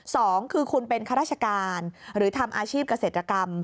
สองคือคุณเป็นข้าราชการหรือทำอาชีพเกษตรกรรม